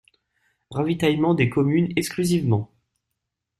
Ravitaillement des communes exclusivement.